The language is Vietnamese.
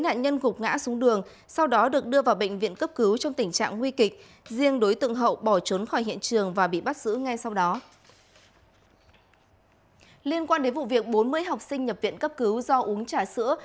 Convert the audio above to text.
liên quan đến vụ việc bốn mươi học sinh nhập viện cấp cứu do uống trà sữa